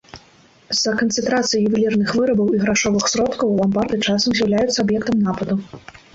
З-за канцэнтрацыі ювелірных вырабаў і грашовых сродкаў ламбарды часам з'яўляюцца аб'ектам нападу.